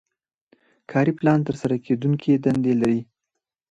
کاري پلان ترسره کیدونکې دندې لري.